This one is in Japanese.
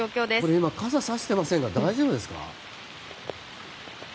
今、傘をさしていませんが大丈夫ですか？